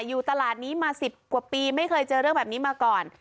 อยู่ตลาดนี้มา๑๐กว่าปีไม่เคยเจอเรื่องแบบนี้มาก่อน